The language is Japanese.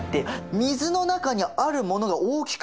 水の中にあるものが大きく見える。